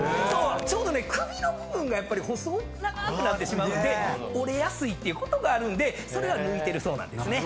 ちょうどね首の部分がやっぱり細長くなってしまうんで折れやすいってことがあるんでそれは抜いてるそうなんですね。